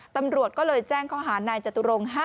ตำรวจก็เลยแจ้งข้อหานายจตุรงค์